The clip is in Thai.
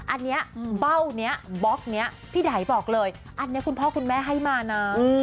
อันนี้เบ้านี้บล็อกนี้พี่ไดบอกเลยอันนี้คุณพ่อคุณแม่ให้มานะ